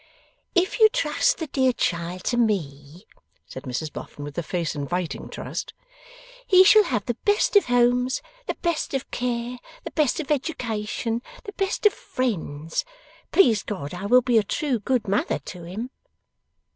'If you trust the dear child to me,' said Mrs Boffin, with a face inviting trust, 'he shall have the best of homes, the best of care, the best of education, the best of friends. Please God I will be a true good mother to him!